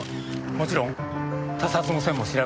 もちろん他殺の線も調べました。